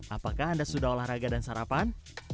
apakah anda sudah olahraga dan sarapan